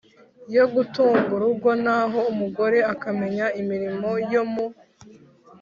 yo gutunga urugo naho umugore akamenya imirimo yo mu